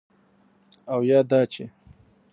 او یا دا چې: